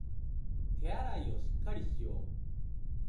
手洗いをしっかりしよう